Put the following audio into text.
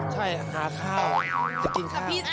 ใช่หาข้าวเดี๋ยวกินข้าว